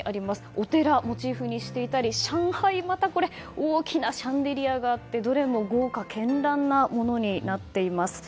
お寺をモチーフにしていたり上海、また大きなシャンデリアがあってどれも豪華絢爛なものになっています。